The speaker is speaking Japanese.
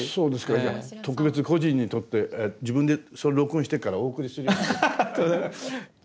じゃ特別個人に録って自分でそれを録音してからお送りするようにします。